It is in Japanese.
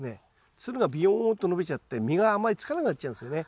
つるがびよんと伸びちゃって実があまりつかなくなっちゃうんですよね。